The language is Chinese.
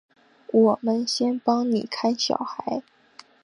我们先帮妳看小孩